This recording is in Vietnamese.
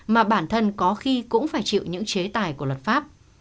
mà bản thân có khi cũng phải chịu những chế tài của luật pháp